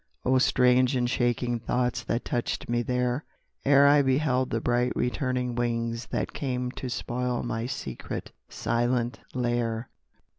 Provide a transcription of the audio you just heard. Oh strange and shaking thoughts that touched me there, Ere I beheld the bright returning wings That came to spoil my secret, silent lair!